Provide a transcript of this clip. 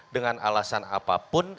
dengan alasan apapun